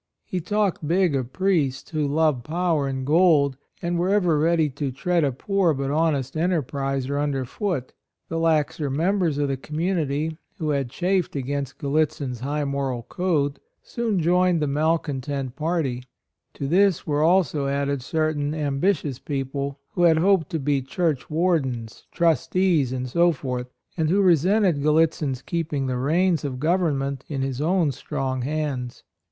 He "talked big" of priests who loved power and gold, and were ever ready to tread a poor but honest enterpriser underfoot. The laxer members of the community, who had chafed against Gallitzin's high moral code, soon joined 98 A ROYAL SON the malcontent party; to this were also added certain am bitious people who had hoped to be church wardens, trustees, and so forth, and who resented Gallitzin's keeping the reins of government in his own strong hands.